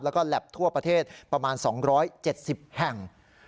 แล้วก็แล็บทั่วประเทศประมาณ๒๗๐แห่ง